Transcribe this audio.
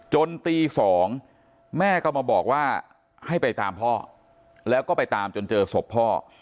จนตี๒แม่ก็มาบอกว่าให้ไปตามพ่อแล้วก็ไปตามจนเจอศพพ่อ